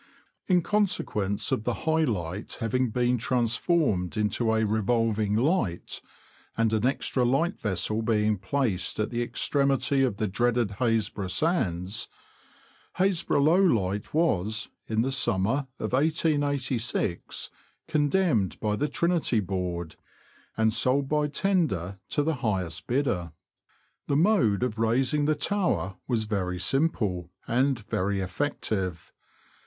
In consequence of the High Light having been trans formed into a revolving light, and an extra light vessel being placed at the extremity of the dreaded Haisbro' Sands, Haisbro' Low Light was, in the summer of 1886, 170 THE LAND OF THE BROADS. condemned by the Trinity Board, and sold by tender to the highest bidder. The mode of razing the tower was very simple and very effective.